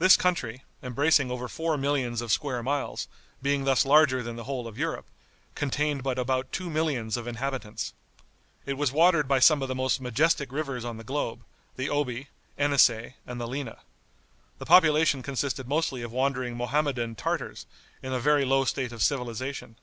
This country, embracing over four millions of square miles, being thus larger than the whole of Europe, contained but about two millions of inhabitants. It was watered by some of the most majestic rivers on the globe, the Oby, Enisei and the Lena. The population consisted mostly of wandering Mohammedan Tartars, in a very low state of civilization.